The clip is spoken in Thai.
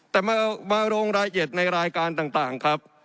แต่มาโรงรายเก็ตในรายการต่างครับ